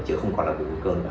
chứ không còn là vùng nguy cơ nữa